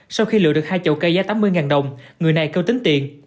sau khi lựa được hai chậu cây giá tám mươi đồng người này kêu tính tiền